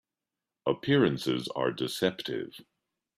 Appearances are deceptive.